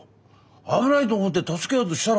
危ないと思って助けようとしたら。